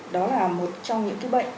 đó là một trong những cái bệnh